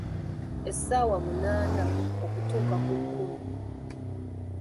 Essaawa munaana okutuuka ku kkumi.